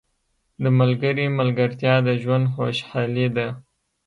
• د ملګري ملګرتیا د ژوند خوشحالي ده.